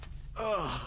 ああ。